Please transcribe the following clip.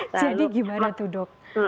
jadi gimana tuh dok